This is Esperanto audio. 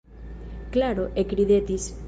Klaro ekridetis.